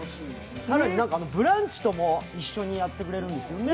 更に「ブランチ」とも一緒にやってくれるんですよね。